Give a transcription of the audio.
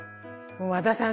和田さん